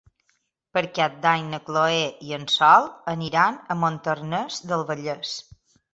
Per Cap d'Any na Chloé i en Sol aniran a Montornès del Vallès.